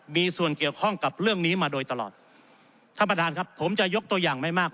มีส่วนเกี่ยวข้องกับเรื่องนี้มาโดยตลอดท่านประธานครับผมจะยกตัวอย่างไม่มาก